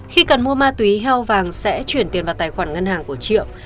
khi cần mua ma túy heo vàng sẽ chuyển tiền vào tài khoản ngân hàng của triệu